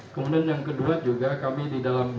kemudian yang kedua juga kami di dalam